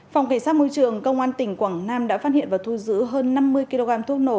phòng cảnh sát môi trường công an tỉnh quảng nam đã phát hiện và thu giữ hơn năm mươi kg thuốc nổ